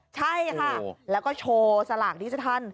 ใช่ค่ะแล้วก็โชว์สลางที่จะทัน